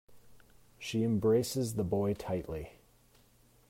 She embraces the boy tightly.